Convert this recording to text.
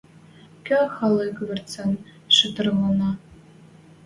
Кӱ халык верцӹн шытырлана.